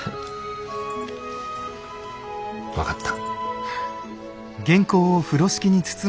分かった。